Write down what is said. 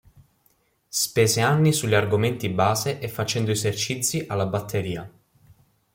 Spese anni sugli argomenti base e facendo esercizi alla batteria.